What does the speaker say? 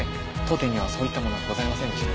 当店にはそういったものはございませんでした。